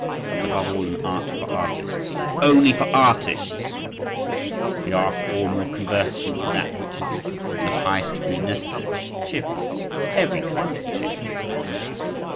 But above all, an art for artists, only for artists! We are, after all, more conversant with that which is in the highest degree necessary—cheerfulness, every kind of cheerfulness, my friends!